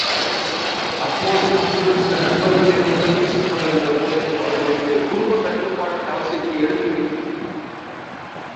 அப்போது அங்குள்ள சில நண்பர்கள் என்னுடன் பேசிக்கொண்டிருந்த போது அவர்களுக்குக் குடும்பக் கட்டுப்பாட்டின் அவசியத்தை எடுத்துரைத்தேன்.